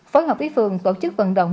phối hợp với phường tổ chức vận động